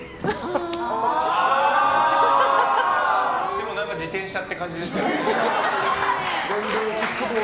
でも何か自転車って感じですね。